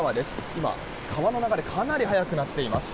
今、川の流れかなり速くなっています。